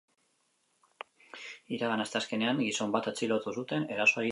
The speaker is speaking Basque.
Iragan asteazkenean gizon bat atxilotu zuten erasoa egitea egotzita.